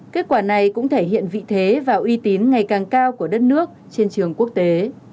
kết quả này cũng thể hiện vị thế và uy tín ngày càng cao của đất nước trên trường quốc tế